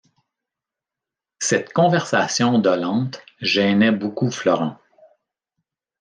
Cette conversation dolente gênait beaucoup Florent.